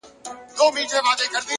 د زړه صفا اړیکې پیاوړې کوي،